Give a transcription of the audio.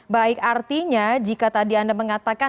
baik artinya jika tadi anda mengatakan